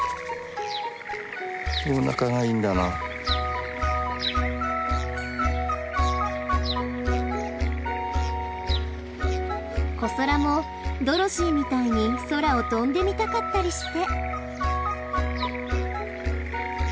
おお仲がいいんだな。こそらもドロシーみたいに空を飛んでみたかったりして。